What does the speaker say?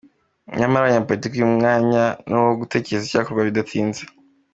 Nyamara banyapolitiki uyu mwanya ni uwo gutekereza icyakorwa bidatinze!